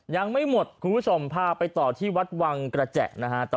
ยังไม่หมดคุณผู้ชมพาไปต่อที่วัดวังกระแจนะฮะ